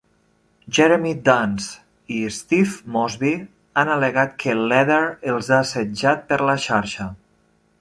Jeremy Duns i Steve Mosby han al·legat que Leather els ha assetjat per la xarxa.